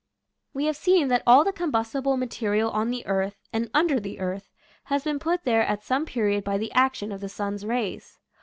We have seen that all the combustible ma terial on the earth, and under the earth, has been put there at some period by the action of the sun's rays.